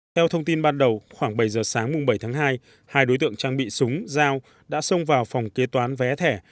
theo thông tin ban đầu khoảng bảy giờ sáng bảy tháng hai hai đối tượng trang bị súng dao đã xông vào phòng kế toán vé thẻ